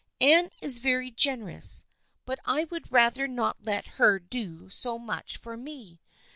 Anne is very generous, but I would rather not let her do so much for me.